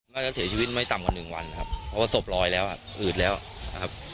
แม่ก็เสียชีวิตไม่ต่ำกว่า๑วันครับเพราะโสบรอยแล้วอืดแล้วครับ